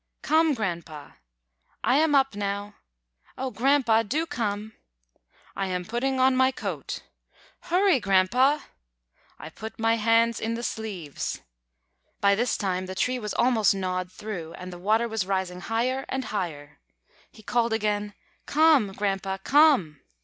"Come, Grandpa!" "I am up now." "Oh, Grandpa, do come!" "I am putting on my coat." "Hurry, Grandpa!" "I put my hands in the sleeves." By this time the tree was almost gnawed through, and the water was rising higher and higher. He called again: "Come, Grandpa, come!"